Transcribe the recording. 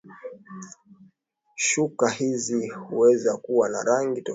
shuka hizi huweza kuwa na rangi tofauti tofauti japo katika sehemu kubwa ni nyekundu